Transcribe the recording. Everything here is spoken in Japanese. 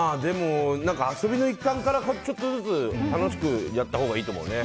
遊びの一環からちょっとずつ楽しくやったほうがいいと思うね。